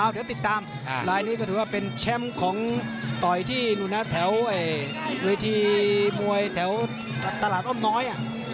เดี๋ยวติดตามลายนี้ก็ถือว่าเป็นแชมป์ของต่อยที่แถวเวทีมวยแถวตลาดอ้อมน้อย